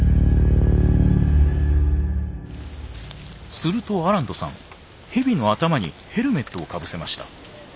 するとアランドさんヘビの頭にヘルメットをかぶせました。